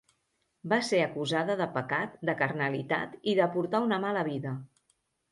Va ser acusada de pecat de carnalitat i de portar una mala vida.